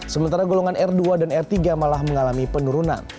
sementara golongan r dua dan r tiga malah mengalami penurunan